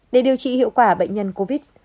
để điều trị hiệu quả bệnh nhân covid